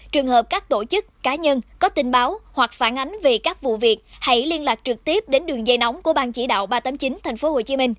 trường hợp các tổ chức cá nhân có tin báo hoặc phản ánh về các vụ việc hãy liên lạc trực tiếp đến đường dây nóng của ban chỉ đạo ba trăm tám mươi chín tp hcm